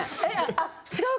あっ違うか？